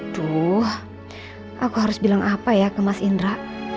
tuh aku harus bilang apa ya ke mas indra